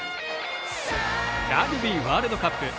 ラグビーワールドカップ。